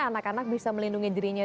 anak anak bisa melindungi dirinya